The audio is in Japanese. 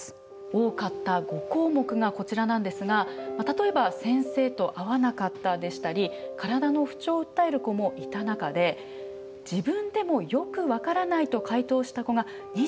多かった５項目がこちらなんですが例えば「先生と合わなかった」でしたり体の不調を訴える子もいた中で「自分でもよくわからない」と回答した子が２５．５％だったんですね。